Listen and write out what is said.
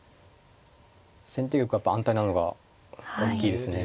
先手玉やっぱ安泰なのが大きいですね。